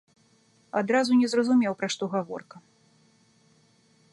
Адразу не зразумеў, пра што гаворка.